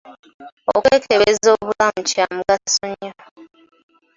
Okwekebeza obulamu Kya mugaso nnyo.